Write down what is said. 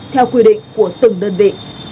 theo quy định của từng đơn vị